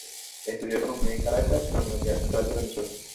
Estudió economía en Caracas, en la Universidad Central de Venezuela.